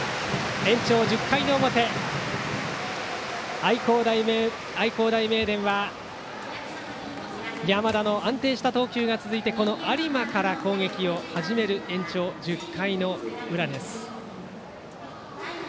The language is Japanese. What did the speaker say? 延長１０回表、愛工大名電は山田の安定した投球が続いて有馬から攻撃を始める延長１０回の裏です。